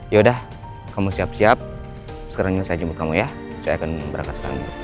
yaudah kamu siap siap sekarang saya jemput kamu ya saya akan berangkat sekarang